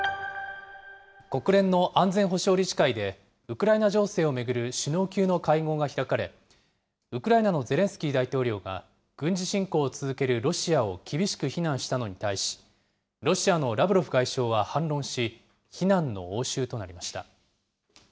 国連の安全保障理事会で、ウクライナ情勢を巡る首脳級の会合が開かれ、ウクライナのゼレンスキー大統領が軍事侵攻を続けるロシアを厳しく非難したのに対し、ロシアのラブロフ外相は反論し、非難の応酬となりました。